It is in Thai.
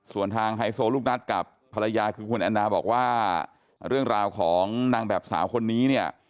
ส่วนทางไฮโซลูกนัดกับภรรยาคือคุณแอนนาบอกว่าเรื่องราวของนางแบบสาวคนนี้เนี่ย